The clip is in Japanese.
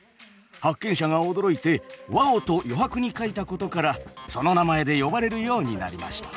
発見者が驚いて「Ｗｏｗ！」と余白に書いたことからその名前で呼ばれるようになりました。